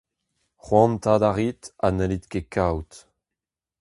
C’hoantaat a rit ha n’hellit ket kaout.